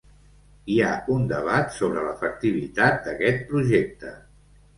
Hi ha un debat sobre l’efectivitat d’aquest projecte.